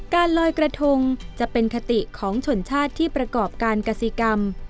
ลอยกระทงจะเป็นคติของชนชาติที่ประกอบการกษีกรรม